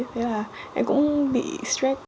thế là em cũng bị stress